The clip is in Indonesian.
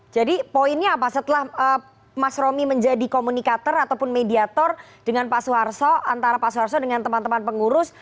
jadi poinnya apa setelah mas romi menjadi komunikator ataupun mediator dengan pak soeharsol antara pak soeharsol dengan teman teman pengurus